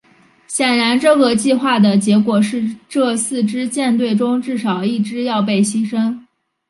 显然这个计划的结果是这四支舰队中至少一支要被牺牲。